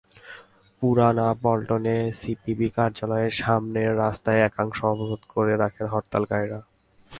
পুরানা পল্টনে সিপিবি কার্যালয়ের সামনের রাস্তার একাংশ অবরোধ করে রাখেন হরতালকারীরা।